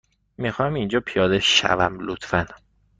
می خواهم اینجا پیاده شوم، لطفا.